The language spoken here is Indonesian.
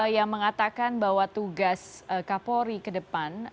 yang mengatakan bahwa tugas kapolri ke depan